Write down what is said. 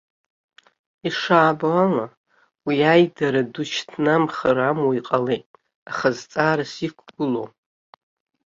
Ишаабо ала, уи аидара ду шьҭнамхыр амуа иҟалеит, аха зҵаарас иқәгылоу.